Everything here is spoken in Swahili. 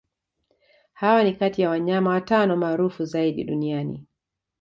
Hawa ni kati ya wanyama watano maarufu zaidi duniani